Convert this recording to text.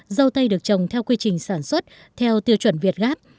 dâu tây được trồng theo quy trình sản xuất theo tiêu chuẩn việt gáp